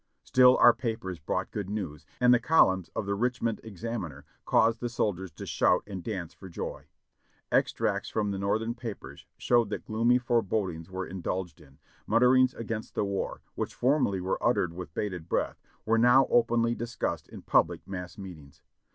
Still our papers brought good news, and the columns of the Richmond Bxaininer caused the soldiers to shout atid dance for joy. Extracts from the Northern papers showed that gloomy forebodings were indulged in ; mutterings against the THE CAPITAL IN THE DOG DAVS 597 war, which formerly were uttered with bated breath, were now openly discussed in public mass meetings.